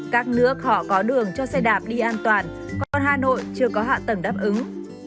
các nữa họ có đường cho xe đạp đi an toàn còn hà nội chưa có hạ tầng đáp ứng